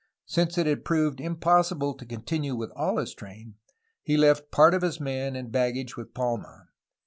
Since it had proved impossible to continue with all his train, he left part of his men and baggage with Palma.